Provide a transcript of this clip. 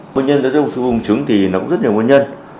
nguyên nhân cho thư buồng trứng thì nó cũng rất nhiều nguyên nhân